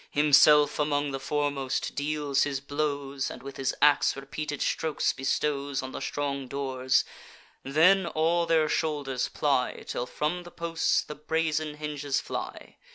Himself, among the foremost, deals his blows, And with his ax repeated strokes bestows On the strong doors; then all their shoulders ply, Till from the posts the brazen hinges fly.